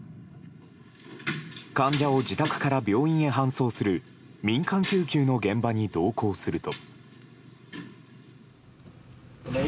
患者を自宅から病院に搬送する民間救急の現場に同行すると。